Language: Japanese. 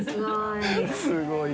錣すごい。